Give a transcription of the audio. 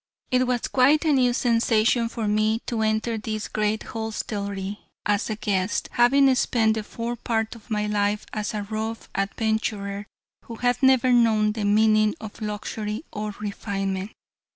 It was quite a new sensation for me to enter this great hostelry as a guest, having spent the fore part of my life as a rough adventurer who had never known the meaning of luxury or refinement.